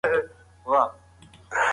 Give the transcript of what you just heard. مسواک وکاروه ترڅو ملایکې خوشحاله شي.